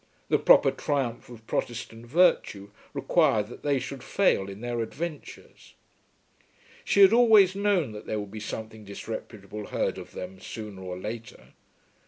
The proper triumph of Protestant virtue required that they should fail in their adventures. She had always known that there would be something disreputable heard of them sooner or later.